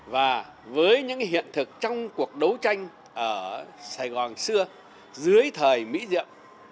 và với những hiện thực trong cuộc đấu tranh ở sài gòn xưa dưới thời mỹ diệm